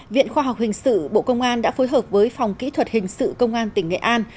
viện khoa học hình sự bộ công an đã phối hợp với phòng kỹ thuật hình sự công an tỉnh nghệ an